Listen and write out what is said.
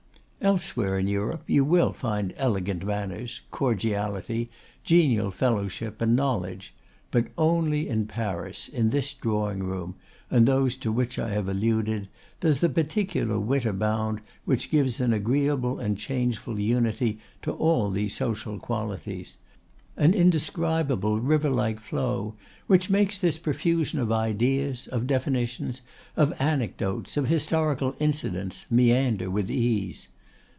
Elsewhere in Europe you will find elegant manners, cordiality, genial fellowship, and knowledge; but only in Paris, in this drawing room, and those to which I have alluded, does the particular wit abound which gives an agreeable and changeful unity to all these social qualities, an indescribable river like flow which makes this profusion of ideas, of definitions, of anecdotes, of historical incidents, meander with ease.